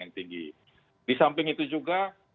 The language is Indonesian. yang tinggi di samping itu juga